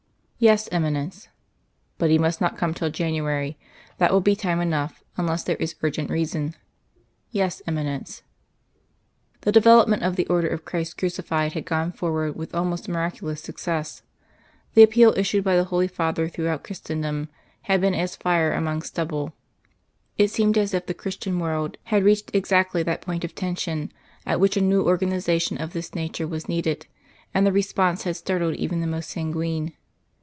"Yes, Eminence." "But he must not come till January. That will be time enough, unless there is urgent reason." "Yes, Eminence." The development of the Order of Christ Crucified had gone forward with almost miraculous success. The appeal issued by the Holy Father throughout Christendom had been as fire among stubble. It seemed as if the Christian world had reached exactly that point of tension at which a new organisation of this nature was needed, and the response had startled even the most sanguine.